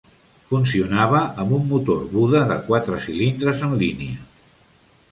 Funcionava amb un motor Buda de quatre cilindres en línia.